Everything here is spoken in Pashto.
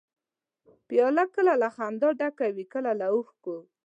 پیاله کله له خندا ډکه وي، کله له اوښکو.